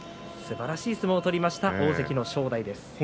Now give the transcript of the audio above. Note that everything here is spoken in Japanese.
すばらしい相撲を取りました、大関の正代です。